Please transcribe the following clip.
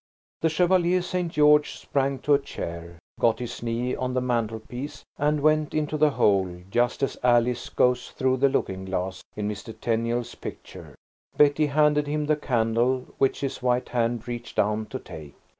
The Chevalier St. George sprang to a chair, got his knee on the mantelpiece, and went into the hole, just as Alice goes through the looking glass in Mr. Tenniel's picture. Betty handed him the candle, which his white hand reached down to take.